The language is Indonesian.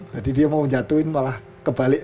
jadi dia mau jatuhin malah kebalik